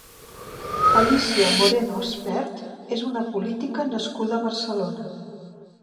Alícia Moreno Espert és una política nascuda a Barcelona.